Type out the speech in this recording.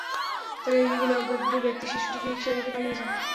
তারা এগিয়ে গেলে অজ্ঞাত দুই ব্যক্তি শিশুটিকে রিকশায় রেখে পালিয়ে যান।